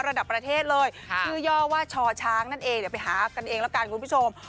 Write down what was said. ระดับประเทศเลยชื่อย่อว่าชอช้างนั่นเองเดี๋ยวไปหากันเองละกันคุณผู้ชม